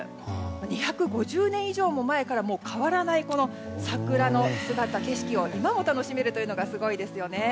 ２５０年以上も前から変わらない桜の姿景色を今も楽しめるというのがすごいですよね。